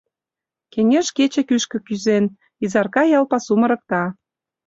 Кеҥеж кече кӱшкӧ кӱзен, Изарка ял пасум ырыкта.